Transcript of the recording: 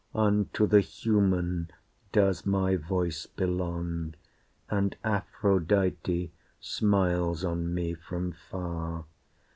Unto the human does my voice belong And Aphrodite smiles on me from far.